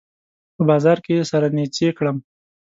په بازار کې يې سره نيڅۍ کړم